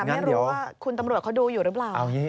ไม่รู้ว่าคุณตำรวจเขาดูอยู่หรือเปล่า